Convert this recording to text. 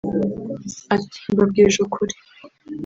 Ati “Mbabwije ukuri